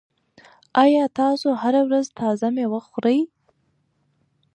آیا تاسو هره ورځ تازه مېوه خورئ؟